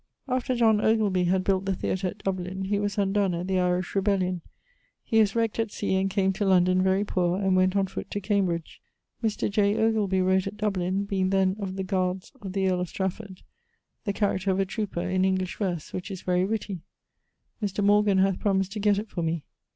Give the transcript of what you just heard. After John Ogilby had built the theatre at Dublin, he was undon at the Irish rebellion. He was wreckt at sea, and came to London very poor, and went on foot to Cambridge. Mr. J. Ogilby wrote at Dublin (being then of the gaurdes of the earle of Strafford) the character of a trooper, in English verse, which is very witty: Mr. Morgan hath promised to gett it for me.